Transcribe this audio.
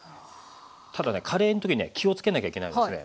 ただねカレーの時ね気をつけなきゃいけないのがですね